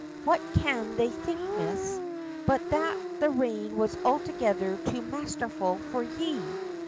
what can they think, miss, but that the rain was altogether too mastherful for ye?